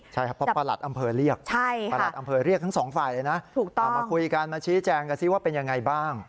ใช่เพราะประหลัดอำเภอเรียกทั้งสองฝ่ายเลยนะเอาน้ำมาคุยกันมาชี้แจงกันซิว่าเป็นยังไงบ้าง